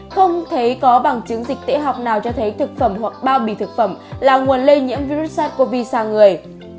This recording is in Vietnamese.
không thấy có bằng chứng dịch tễ học nào cho thấy thực phẩm hoặc bao bì thực phẩm là nguồn lây nhiễm virus sars cov hai sang người